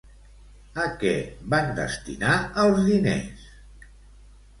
A què van destinar els diners?